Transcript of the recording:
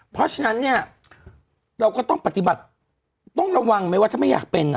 เพราะฉะนั้นเนี่ยเราก็ต้องปฏิบัติต้องระวังไหมว่าถ้าไม่อยากเป็น